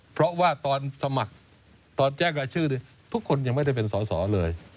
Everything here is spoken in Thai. เพราะว่าตอนสมัครตอนแจ้งรายชื่อทุกคนยังไม่ได้เป็นสอสอเลย